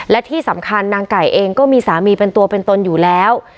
และที่สำคัญนางไก่เองก็มีสามีเป็นตัวเป็นตนอยู่แล้ว